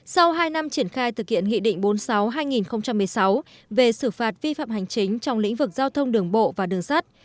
sau hai năm triển khai thực hiện nghị định bốn mươi sáu hai nghìn một mươi sáu về xử phạt vi phạm hành chính trong lĩnh vực giao thông đường bộ và đường sắt